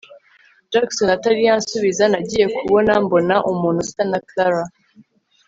Jackson atari yansubiza nagiye kubona mbona umuntu usa na Clara